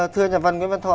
thưa nhà văn nguyễn văn thọ